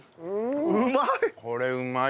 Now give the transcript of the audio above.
うまい！